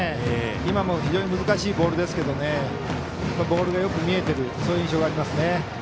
今も非常に難しいボールですがボールがよく見えている印象がありますね。